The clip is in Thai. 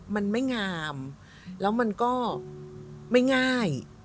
มันไม่งามแล้วมันก็ไม่ง่าย